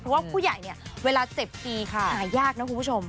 เพราะว่าผู้ใหญ่เนี่ยเวลาเจ็บทีหายากนะคุณผู้ชม